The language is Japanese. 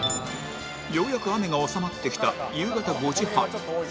ようやく雨が収まってきた夕方５時半